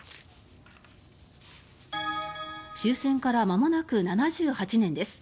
終戦からまもなく７８年です。